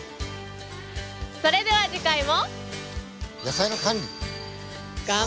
それでは次回も。